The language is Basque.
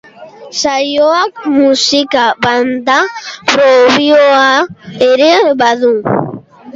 Saioak musika banda propioa ere badu.